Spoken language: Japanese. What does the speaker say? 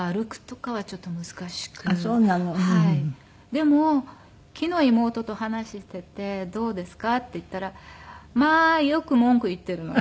でも昨日妹と話していてどうですか？って言ったらまあよく文句言っているので。